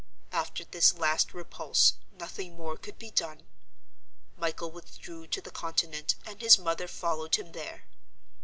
After this last repulse, nothing more could be done. Michael withdrew to the Continent; and his mother followed him there.